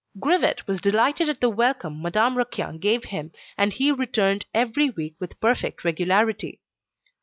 Grivet was delighted at the welcome Madame Raquin gave him, and he returned every week with perfect regularity.